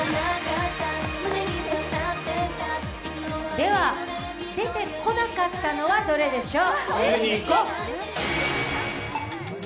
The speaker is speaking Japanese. では、出てこなかったのはどれでしょう？